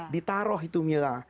ditaruh itu milah